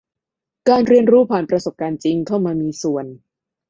การเรียนรู้ผ่านประสบการณ์จริงเข้ามามีส่วน